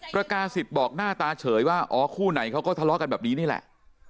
ประกาศิษย์บอกหน้าตาเฉยว่าอ๋อคู่ไหนเขาก็ทะเลาะกันแบบนี้นี่แหละ